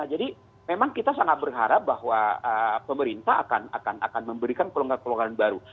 jadi memang kita sangat berharap bahwa pemerintah akan memberikan pelonggaran pelonggaran baru